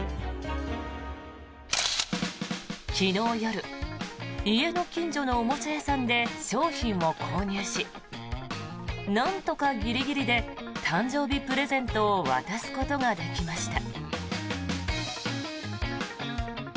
昨日夜、家の近所のおもちゃ屋さんで商品を購入しなんとかギリギリで誕生日プレゼントを渡すことができました。